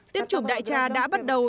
tiêm chủng đại tra đã bắt đầu